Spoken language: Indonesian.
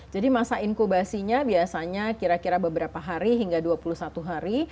masa inkubasinya biasanya kira kira beberapa hari hingga dua puluh satu hari